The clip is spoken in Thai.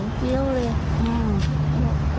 มันก็บอกให้เราอ่ะเอาบอก